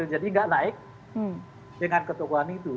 jadi tidak naik dengan ketokohan itu